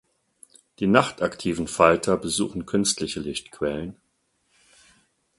Die nachtaktiven Falter besuchen künstliche Lichtquellen.